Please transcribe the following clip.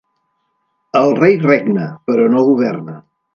El rei regna, però no governa.